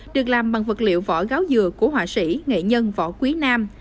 được làm bằng vật liệu vỏ gáo dừa của họa sĩ nghệ nhân vỏ quý nam